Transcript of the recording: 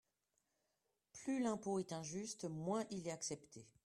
Plus l’impôt est injuste, moins il est accepté.